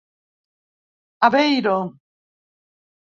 Aveiro.